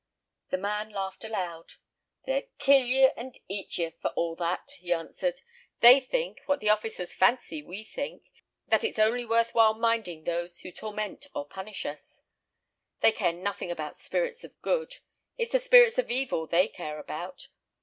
The man laughed aloud. "They'd kill ye, and eat ye, for all that," he answered. "They think, what the officers fancy we think, that it's only worth while minding those who torment or punish us. They care nothing about spirits of good. It's the spirits of evil they care about.